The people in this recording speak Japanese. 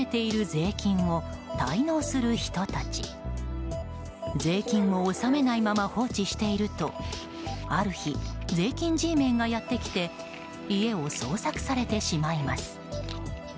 税金を納めないまま放置しているとある日、税金Ｇメンがやってきて家を捜索されてしまいます。